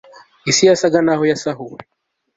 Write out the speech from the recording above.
Isi yasaga naho yasahuwe